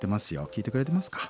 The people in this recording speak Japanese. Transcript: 聴いてくれてますか？